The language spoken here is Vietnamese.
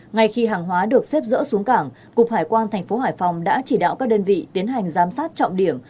ngay khi hàng hóa được xếp dỡ xuống cảng cục hải quan thành phố hải phòng đã chỉ đạo các đơn vị tiến hành giám sát trọng điểm